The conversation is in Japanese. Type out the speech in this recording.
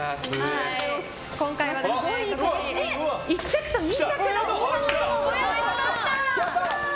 今回は１着と２着のものをご用意しました。